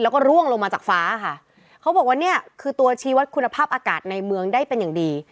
แล้วก็ร่วงลงมาจากฟ้าค่ะเขาบอกว่าเนี่ยคือตัวชีวัตรคุณภาพอากาศในเมืองได้เป็นอย่างดี